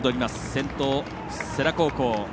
先頭は世羅高校。